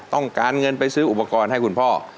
ต้องการเงินไปซื้ออุปกรณ์ให้คุณพ่อ